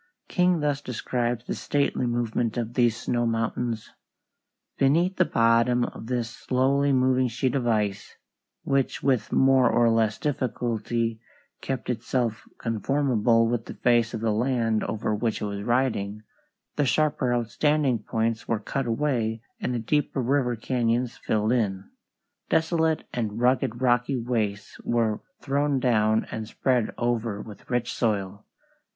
King thus describes the stately movement of these snow mountains: "Beneath the bottom of this slowly moving sheet of ice, which with more or less difficulty kept itself conformable with the face of the land over which it was riding, the sharper outstanding points were cut away and the deeper river cañons filled in. Desolate and rugged rocky wastes were thrown down and spread over with rich soil."